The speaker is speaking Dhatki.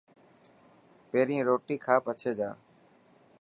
پهرين روٽي کا پڇي جا.